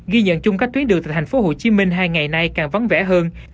ghi nhận chung các tuyến đường tại thành phố hồ chí minh hai ngày nay càng vắng vẻ hơn